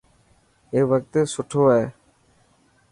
اي وقت سٺو هي.